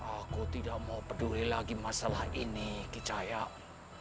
aku tidak mau peduli lagi masalah ini kicaya